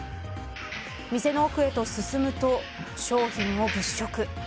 店の奥へと進むと商品を物色。